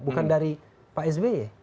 bukan dari pak sby